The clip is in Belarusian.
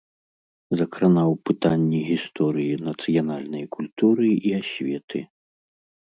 Закранаў пытанні гісторыі нацыянальнай культуры і асветы.